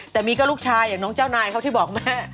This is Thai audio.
แต่มีก็ลูกชายอย่างน้องเจ้านายเขาที่บอกแม่